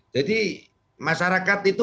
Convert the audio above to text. jadi masyarakat itu